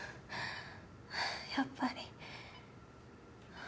やっぱり。